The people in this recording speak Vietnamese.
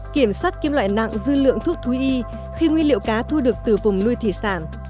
ba kiểm soát kiếm loại nặng dư lượng thuốc thú y khi nguyên liệu cá thu được từ vùng nuôi thị sản